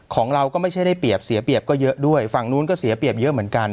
ของเราก็ไม่ใช่ได้เปรียบเสียเปรียบก็เยอะด้วยฝั่งนู้นก็เสียเปรียบเยอะเหมือนกัน